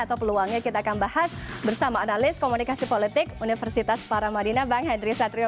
atau peluangnya kita akan bahas bersama analis komunikasi politik universitas paramadina bang henry satrio